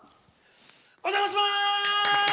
お邪魔します！